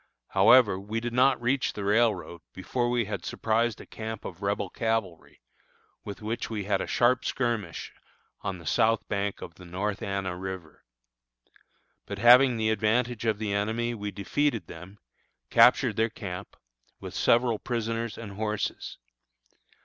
However, we did not reach the railroad before we had surprised a camp of Rebel cavalry, with which we had a sharp skirmish on the south bank of the North Anna River. But having the advantage of the enemy, we defeated them, captured their camp, with several prisoners and horses.